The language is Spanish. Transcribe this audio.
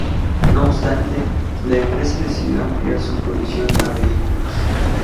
No obstante, la empresa decidió ampliar su producción a vehículos.